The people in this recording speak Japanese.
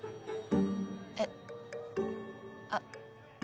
えっあっ。